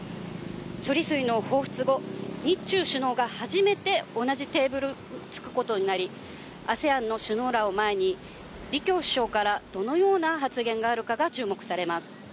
処理水の放出後、日中首脳が初めて同じテーブルにつくことになり、ＡＳＥＡＮの首脳らを前にリ・キョウ首相からどのような発言があるかが注目されます。